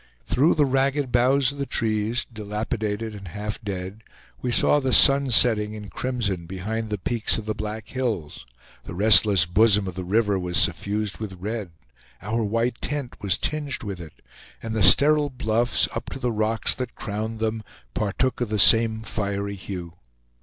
Through the ragged boughs of the trees, dilapidated and half dead, we saw the sun setting in crimson behind the peaks of the Black Hills; the restless bosom of the river was suffused with red; our white tent was tinged with it, and the sterile bluffs, up to the rocks that crowned them, partook of the same fiery hue.